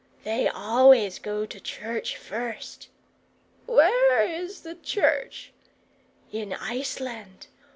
"They always go to church first." "Where is the church?" "In Iceland.